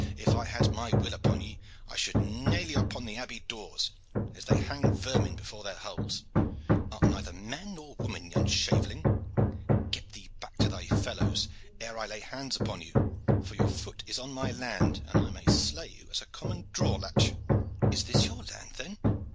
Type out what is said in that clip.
if I had my will upon ye, I should nail you upon the abbey doors, as they hang vermin before their holes. Art neither man nor woman, young shaveling. Get thee back to thy fellows ere I lay hands upon you: for your foot is on my land, and I may slay you as a common draw latch." "Is this your land, then?"